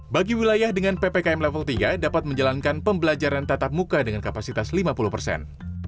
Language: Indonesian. bagi wilayah dengan ppkm level tiga dapat menjalankan pembelajaran tatap muka dengan kapasitas lima puluh persen